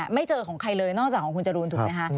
ไม่เจอของใครเลยนอกจากของคุณจรูนถูกไหมคะ